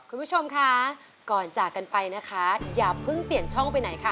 คุณผู้ชมคะก่อนจากกันไปนะคะอย่าเพิ่งเปลี่ยนช่องไปไหนค่ะ